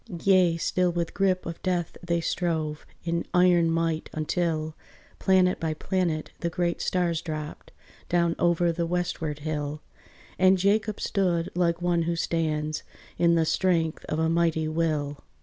Yea, still with grip of death they strove, In iron might, until, Planet by planet, the great stars dropped Down over the westward hill: And Jacob stood like one who stands In the strength of a mighty will.